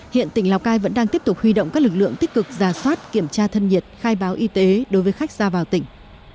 hiện tỉnh lào cai vẫn đang tiếp tục huy động các lực lượng tích cực giả soát kiểm tra thân nhiệt khai báo y tế đối với khách ra vào tỉnh